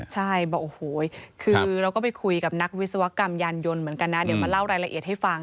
ใช่บอกโอ้โหคือเราก็ไปคุยกับนักวิศวกรรมยานยนต์เหมือนกันนะเดี๋ยวมาเล่ารายละเอียดให้ฟัง